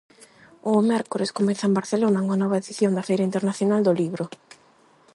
O mércores comeza en Barcelona unha nova edición da Feira Internacional do Libro.